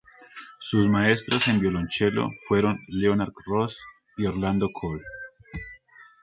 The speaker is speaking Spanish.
Sus maestros en violonchelo fueron Leonard Rose y Orlando Cole.